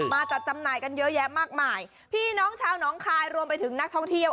มาจัดจำหน่ายกันเยอะแยะมากมายพี่น้องชาวน้องคายรวมไปถึงนักท่องเที่ยว